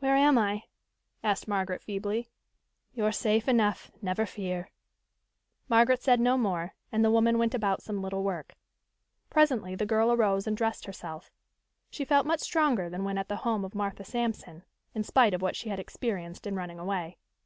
"Where am I?" asked Margaret feebly. "You're safe enough, never fear." Margaret said no more and the woman went about some little work. Presently the girl arose and dressed herself. She felt much stronger than when at the home of Martha Sampson, in spite of what she had experienced in running away.